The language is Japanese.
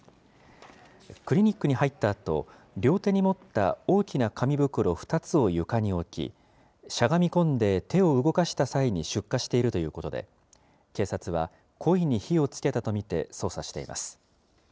クリニックに入ったあと、両手に持った大きな紙袋２つを床に置き、しゃがみ込んで手を動かした際に、出火しているということで、警察は故意に火をつけたと見て捜査しています。